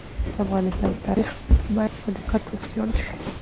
د افغانستان تاریخ باید په دقت وڅېړل سي.